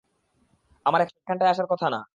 আমার এখানটায় আসার কথা না।